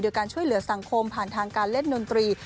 โดยการช่วยเหลือสังคมผ่านทางการเล่นดนตรี